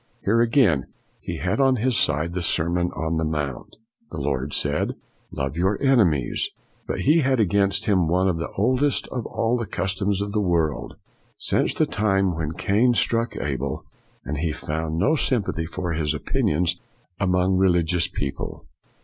Here again he had on his side the Sermon on the Mount. The Lord said " Love your enemies." But he had against him one of the oldest of all the customs of the world, since the time when Cain struck Abel, and he found no sympathy for his opinions among 282 FOX religious people.